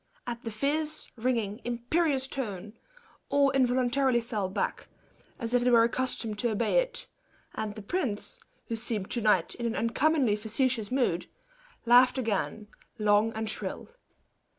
At the fierce, ringing, imperious tone, all involuntarily fell back, as if they were accustomed to obey it; and the prince, who seemed to night in an uncommonly facetious mood, laughed again, long and shrill.